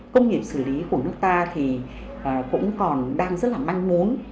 công nghiệp xử lý của nước ta thì cũng còn đang rất là manh muốn